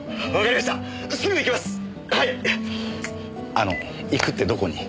あの行くってどこに？